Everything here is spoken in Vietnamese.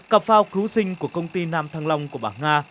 cặp phao cứu sinh của công ty nam thăng long của bảng nga